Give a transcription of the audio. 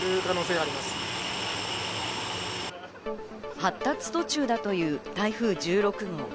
発達途中だという台風１６号。